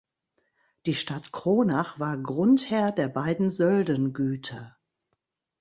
Die Stadt Kronach war Grundherr der beiden Söldengüter.